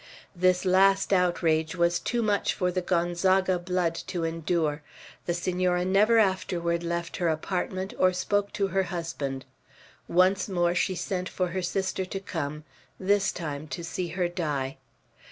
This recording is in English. This last outrage was too much for the Gonzaga blood to endure; the Senora never afterward left her apartment, or spoke to her husband. Once more she sent for her sister to come; this time, to see her die.